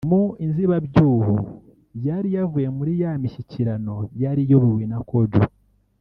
Mu inzibavyuho yari yavuye muri yamishyikirano yari iyobowe na Kodjo